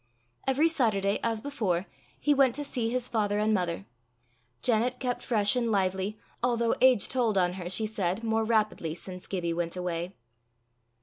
Every Saturday, as before, he went to see his father and mother. Janet kept fresh and lively, although age told on her, she said, more rapidly since Gibbie went away.